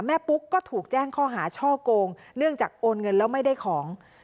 ปุ๊กก็ถูกแจ้งข้อหาช่อโกงเนื่องจากโอนเงินแล้วไม่ได้ของ